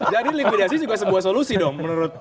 jadi likuidasi juga sebuah solusi dong menurut anda